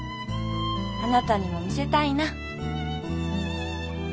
あなたにも見せたいな」。